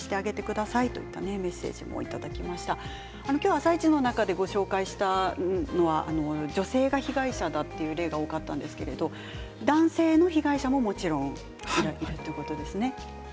「あさイチ」の中でご紹介したのは女性が被害者だという例が多かったんですけれど男性の被害者も、もちろんいるというわけですよね。